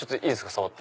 触って。